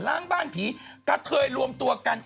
ล้างบ้านผีกระเทยรวมตัวกัน